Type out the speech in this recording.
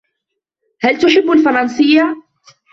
هل تحب الفرنسية؟